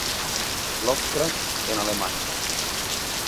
Lovecraft en alemany.